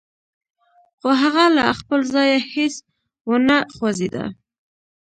خو هغه له خپل ځايه هېڅ و نه خوځېده.